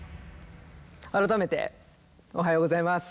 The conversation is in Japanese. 改めておはようございます。